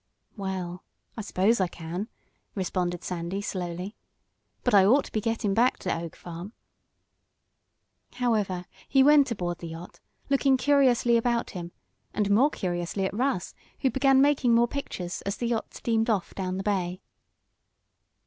"Well, I s'pose I can," responded Sandy, slowly. "But I ought to be gettin' back to Oak Farm." However, he went aboard the yacht, looking curiously about him, and more curiously at Russ, who began making more pictures as the yacht steamed off down the bay.